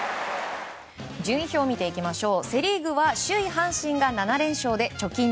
順位表を見ていきましょう。